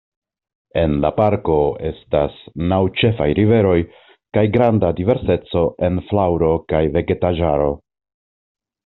En la parko estas naŭ ĉefaj riveroj kaj granda diverseco en flaŭro kaj vegetaĵaro.